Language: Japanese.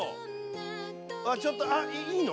あっちょっとああいいの？